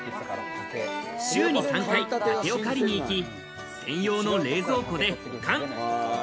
週に３回、竹を刈りに行き専用の冷蔵庫で保管。